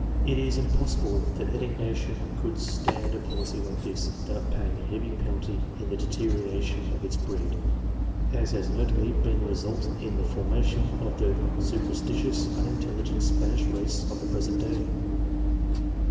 It is impossible that any nation could stand a policy like this, without paying a heavy penalty in the deterioration of its breed, as has notably been the result in the formation of the superstitious, unin telligent Spanish race of the present day.